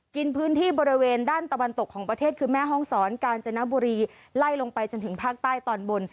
กินพื้นที่บริเวณด้านตะวันตกของประเทศคือแม่ห้องศรกาญจนบุรีไล่ลงไปจนถึงภาคใต้ตอนบน